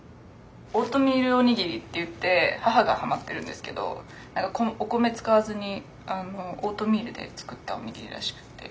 オートミールおにぎりっていって母がはまってるんですけどお米使わずにオートミールで作ったおにぎりらしくって。